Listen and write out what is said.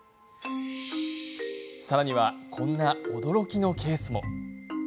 さらには、こんな驚きのケースも。